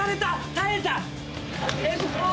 耐えた。